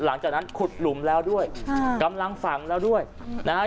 หลังจากนั้นขุดหลุมแล้วด้วยค่ะกำลังฝังแล้วด้วยนะฮะ